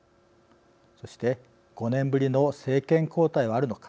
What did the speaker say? そして５年ぶりの政権交代はあるのか。